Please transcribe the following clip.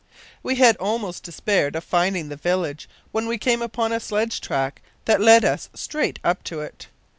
"We had almost despaired of finding the village when we came upon a sledge track that led us straight up to it.